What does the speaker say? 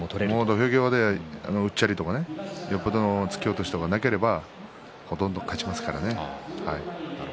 土俵際でうっちゃりとか突き落としがなければほとんど勝ちますからね。